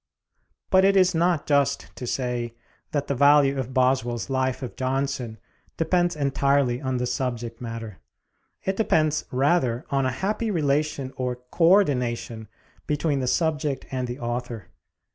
But it is not just to say that the value of Boswell's 'Life of Johnson' depends entirely on the subject matter. It depends rather on a happy relation or co ordination between the subject and the author.